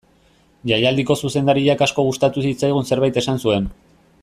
Jaialdiko zuzendariak asko gustatu zitzaigun zerbait esan zuen.